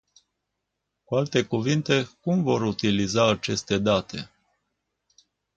Cu alte cuvinte, cum vor utiliza aceste date?